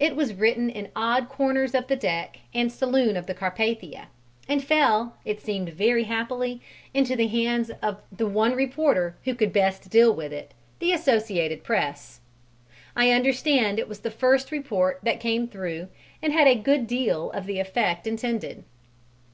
It was written in odd corners of the deck and saloon of the Carpathia, and fell, it seemed very happily, into the hands of the one reporter who could best deal with it, the Associated Press. I understand it was the first report that came through and had a good deal of the effect intended.